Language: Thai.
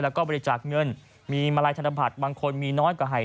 แล้วก็บริจาคเงินมีมาลัยธนบัตรบางคนมีน้อยกว่าให้